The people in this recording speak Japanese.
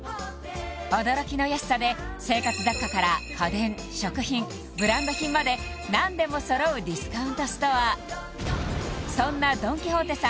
驚きの安さで生活雑貨から家電食品ブランド品まで何でも揃うディスカウントストアそんなドン・キホーテさん